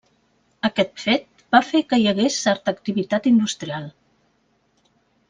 Aquest fet va fer que hi hagués certa activitat industrial.